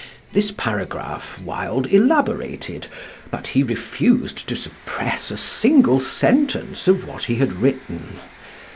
This paragraph Wilde elaborated, but he refused to suppress a single sentence of what he had written.